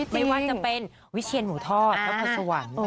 ไม่ว่าจะเป็นวิเชียนหมูทอดและผัวสว่าง